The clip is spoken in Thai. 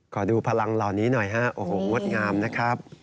ขอดูพลังเหล่านี้หน่อยฮะโอ้โหงดงามนะครับ